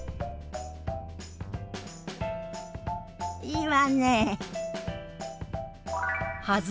いいわね。